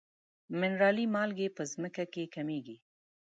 منرالي مالګې په ځمکه کې کمیږي.